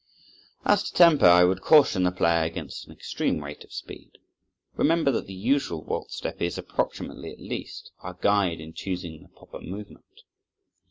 As to tempo, I would caution the player against an extreme rate of speed. Remember that the usual waltz step is, approximately at least, our guide in choosing the proper movement.